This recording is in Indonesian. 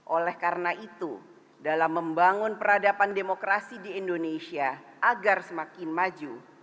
oleh karena itu dalam membangun peradaban demokrasi di indonesia agar semakin maju